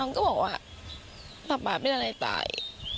น้องก็บอกว่าป๊าป๊าเป็นอะไรตาย